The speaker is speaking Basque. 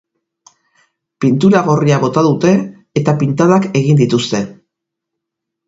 Pintura gorria bota dute, eta pintadak egin dituzte.